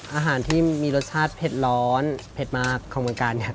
อาหารที่มีรสชาติเผ็ดร้อนเผ็ดมากของเมืองกาลเนี่ย